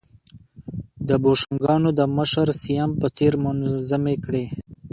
د بوشونګانو د مشر شیام په څېر منظمې کړې